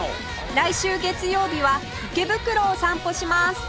来週月曜日は池袋を散歩します